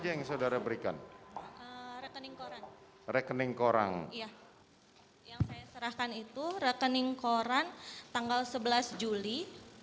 yang saya serahkan itu rekening koran tanggal sebelas juli